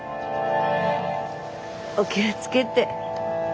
お気を付けて。